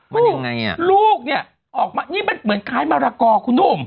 มันยังไงอ่ะลูกเนี่ยออกมานี่มันเหมือนคล้ายมะรากอคุณหนุ่ม